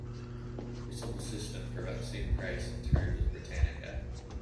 We sold the system for about the same price and terms as Britannica.